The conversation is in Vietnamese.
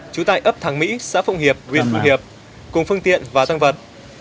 chú tại ấp thắng mỹ xã phung hiệp huyện phung hiệp cùng phương tiện và tăng vật